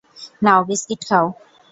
নাও biscuit খাও।